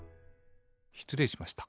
しつれいしました。